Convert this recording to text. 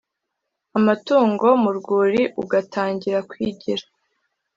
Amatungo mu rwuli Ugatangira kwigira